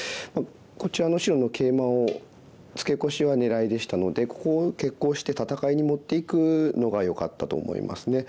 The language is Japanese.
こちらの白のケイマをツケコシは狙いでしたのでここを決行して戦いに持っていくのがよかったと思いますね。